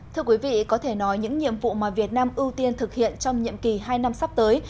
thưa quý vị có thể nói những nhiệm vụ mà việt nam ưu tiên thực hiện trong nhiệm kỳ hai năm sắp tới